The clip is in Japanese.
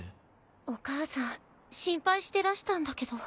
お母さん心配してらしたんだけど。